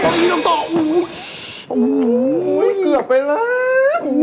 วูยหอยไกลไปแล้ว